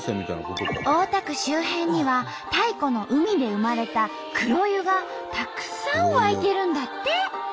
大田区周辺には太古の海で生まれた黒湯がたくさん湧いてるんだって！